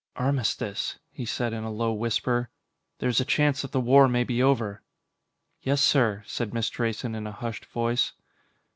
"Armistice," he said in a low whisper. "There's a chance that the war may be over." "Yes, sir," said Miss Drayson in a hushed voice.